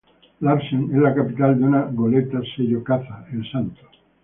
Larsen es el capitán de una goleta sello caza, el Santo.